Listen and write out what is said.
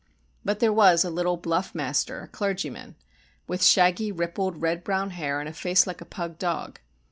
But there was a little bluff master, a clergyman, with shaggy rippled red brown hair and a face like a pug dog.